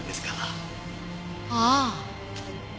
ああ。